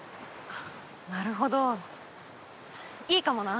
なるほどいいかもな。